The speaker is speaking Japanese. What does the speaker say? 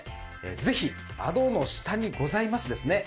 ぜひ窓の下にございますですね